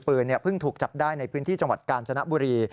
เพิ่งถูกจับได้ในพื้นที่จังหวัดกาญจนบุรี